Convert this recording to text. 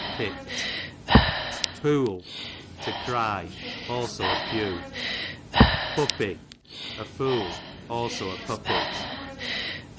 Purred, ) Pule, to cry ; aUo a pew. Puppy, a fool ; also a puppet.